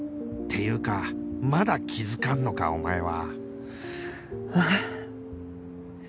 っていうかまだ気づかんのかお前は！